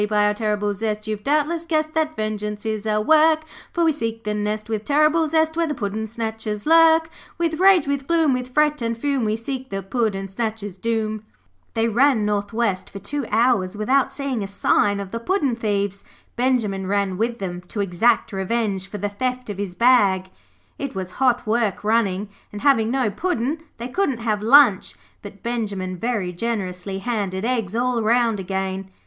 'By our terrible zest you've doubtless guessed That vengeance is our work; For we seek the nest with terrible zest Where the puddin' snatchers lurk. With rage, with gloom, With fret and fume, We seek the puddin' snatchers' doom.' They ran north west for two hours without seeing a sign of the puddin' thieves. Benjimen ran with them to exact revenge for the theft of his bag. It was hot work running, and having no Puddin' they couldn't have lunch, but Benjimen very generously handed eggs all round again.